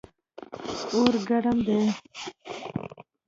اور ګرم ده